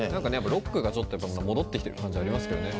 ロックが戻ってきてる感じありますけどね。